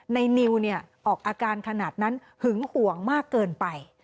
นิวออกอาการขนาดนั้นหึงห่วงมากเกินไป